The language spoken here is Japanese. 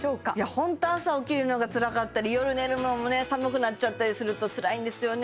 ホント朝起きるのがつらかったり夜寝るのもね寒くなっちゃったりするとつらいんですよね